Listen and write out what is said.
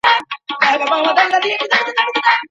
د ساینس تجربې هم باید په لاس ولیکل سي.